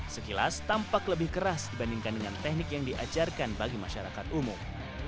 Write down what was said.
sekilas tampak lebih keras dibandingkan dengan teknik yang diajarkan bagi masyarakat umum